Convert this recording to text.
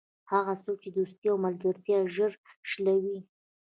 هغه څوک چې دوستي او ملګرتیا ژر شلوي.